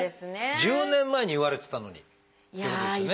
１０年前に言われてたのにっていうことですよね。